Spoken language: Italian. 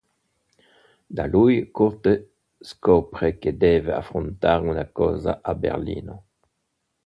Da lui, Kurt scopre che deve affrontare una causa a Berlino.